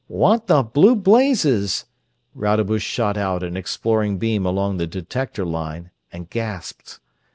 "What the blue blazes!" Rodebush shot out an exploring beam along the detector line and gasped.